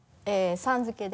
さん付けで。